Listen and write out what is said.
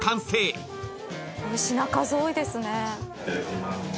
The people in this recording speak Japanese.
品数多いですね。